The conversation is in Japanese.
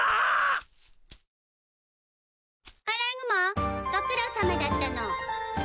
アライグマご苦労さまだったの。